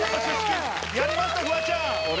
やりましたフワちゃん！